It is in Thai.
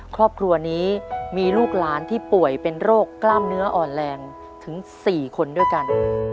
ครอบครัวนี้มีลูกหลานที่ป่วยเป็นโรคกล้ามเนื้ออ่อนแรงถึง๔คนด้วยกัน